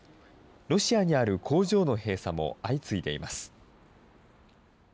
ロシアにある工場の閉鎖も相次いでいます。